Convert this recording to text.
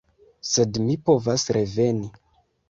Sed mi povas reveni.